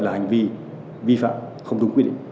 là hành vi vi phạm không đúng quy định